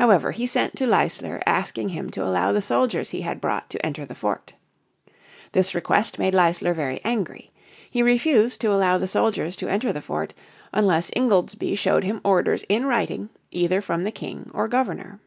However he sent to Leisler asking him to allow the soldiers he had brought to enter the fort. This request made Leisler very angry. He refused to allow the soldiers to enter the fort unless Ingoldsby showed him orders in writing either from the King or Governor.